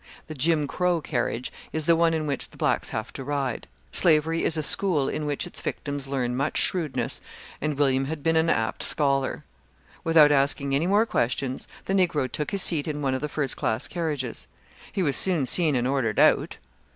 The "Jim Crow" carriage is the one in which the blacks have to ride. Slavery is a school in which its victims learn much shrewdness, and William had been an apt scholar. Without asking any more questions, the Negro took his seat in one of the first class carriages. He was soon seen and ordered out.